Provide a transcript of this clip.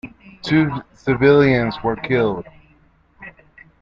Two civilians were killed.